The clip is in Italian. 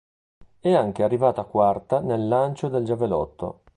È anche arrivata quarta nel lancio del giavellotto.